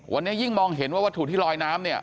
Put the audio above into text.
วันนี้ยิ่งมองเห็นว่าวัตถุที่ลอยน้ำเนี่ย